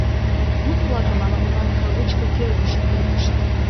Мут-влакым ала-молан кавычке кӧргыш пуртышт.